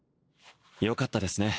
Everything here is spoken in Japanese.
よかったですね